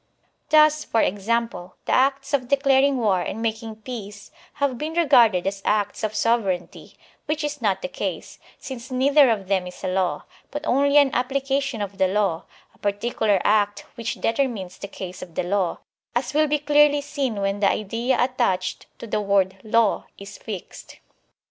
Thus, for example, the acts of declaring war and making peace have been regarded as acts of sovereignty, which is not the case, since neither of them is a law, but only an application of the law, a particular act which determines the case of the law, as will be clearly seen when the idea attached to the word law is fixed.